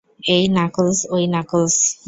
এই নাকলস, ওই নাকলস।